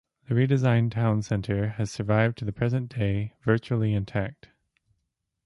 The redesigned town centre has survived to the present day virtually intact.